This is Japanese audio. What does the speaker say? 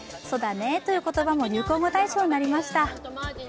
「そだね」という言葉も流行語大賞になりました。